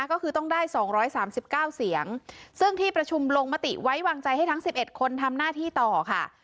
ก็คือต้องได้สองร้อยสามสิบเก้าเสียงซึ่งที่ประชุมลงมติไว้วางใจให้ทั้งสิบเอ็ดคนทำหน้าที่ต่อค่ะ